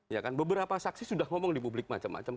ya kan beberapa saksi sudah ngomong di publik macam macam